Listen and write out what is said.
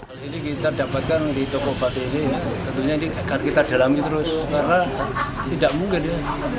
hal ini kita dapatkan di toko obat ini tentunya ini agar kita dalami terus karena tidak mungkin ya